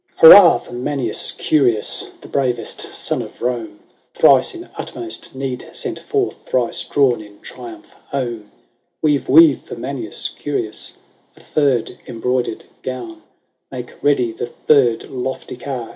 Jj XXIX. " Hurrah ! for Manius Curius, The bravest son of Rome, Thrice in utmost need sent forth, Thrice drawn in triumph home. Weave, weave, for Manius Curius The third embroidered gown : Make ready the third lofty car.